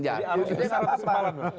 jadi harus besar atau sempalan